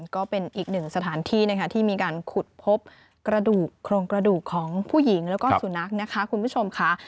ก็เป็นอีกหนึ่งสถานที่นะคะที่มีการขุดพบกระดูกโครงกระดูกของผู้หญิงแล้วก็สุนัขนะคะคุณผู้ชมค่ะ